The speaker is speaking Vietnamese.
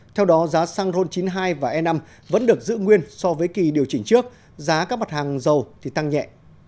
theo đó giá xăng ron chín mươi hai và e năm vẫn được giữ nguyên so với kỳ điều chỉnh trước giá các mặt hàng dầu thì tăng nhẹ